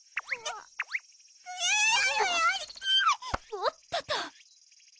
おっとと！